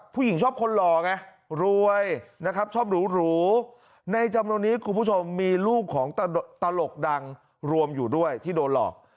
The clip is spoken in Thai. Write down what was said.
ผู้หญิงชอบคนหล่อไงรวยนะครับชอบหรูในจำนวนนี้คุณผู้ชมมีลูกของตลกดังรวมอยู่ด้วยที่โดนหลอก